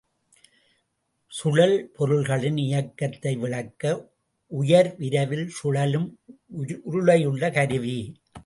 சுழல்பொருள்களின் இயக்கத்தை விளக்க உயர்விரைவில் சுழலும் உருளையுள்ள கருவி.